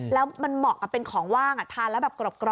แล้วมันเหมาะกับเป็นของว่างทานแล้วแบบกรอบ